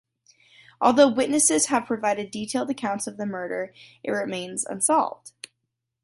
Although witnesses have provided detailed accounts of the murder it remains unsolved.